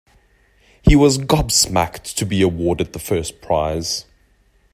He was gobsmacked to be awarded the first prize.